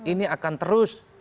ini akan terus